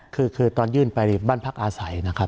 คือตอนยื่นไปบ้านพักอาศัยนะครับ